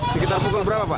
sekitar pukul berapa pak